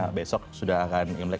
karena besok sudah akan imlek